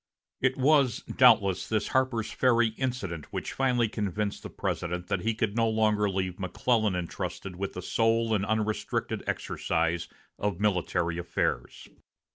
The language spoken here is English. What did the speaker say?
It was doubtless this Harper's Ferry incident which finally convinced the President that he could no longer leave McClellan intrusted with the sole and unrestricted exercise of military affairs.